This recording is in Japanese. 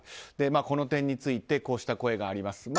この点についてこうした声があります。